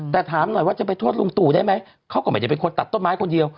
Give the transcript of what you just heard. แต่ถามหน่อยว่าจะไปโทษลุงตู่ได้ไหมเขาก็ไม่ได้เป็นคนตัดต้นไม้คนเดียว